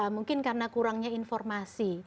mungkin karena kurangnya informasi